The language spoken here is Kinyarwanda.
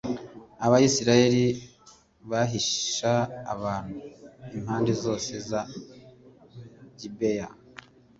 abayisraheli bahisha abantu impande zose za gibeya